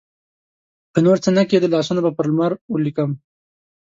که نورڅه نه کیده، لاسونه به پر لمر ولیکم